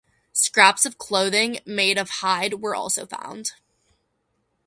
Scraps of clothing made of hide were also found.